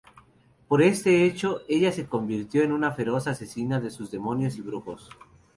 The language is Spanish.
Por este hecho, ella se convirtió en una feroz asesina de demonios y brujos.